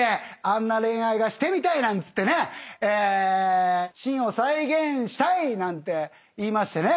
あんな恋愛がしてみたいってシーンを再現したいなんて言いましてね